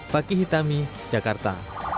fakih hitami jakarta